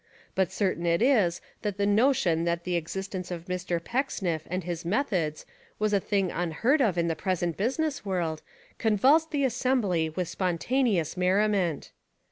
But certain it is that the notion that the existence of Mr. Pecksniff and his methods was a thing unheard of in the present business world convulsed the assembly with spontaneous merri ment.